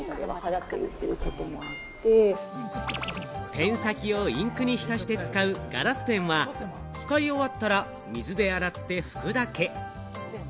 ペン先をインクに浸して使うガラスペンは使い終わったら、水で洗って拭くだけ。